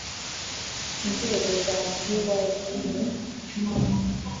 inzego za vyg ni